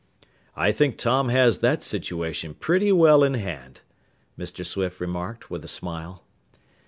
"I think Tom has that situation pretty well in hand," Mr. Swift remarked with a smile.